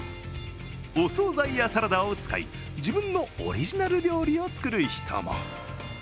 お総菜やサラダを使い自分のオリジナル料理を作る人も。